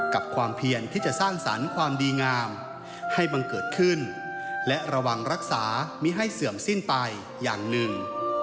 กับความเพียรที่จะสร้างสรรค์ความดีงามให้บังเกิดขึ้นและระวังรักษาไม่ให้เสื่อมสิ้นไปอย่างหนึ่ง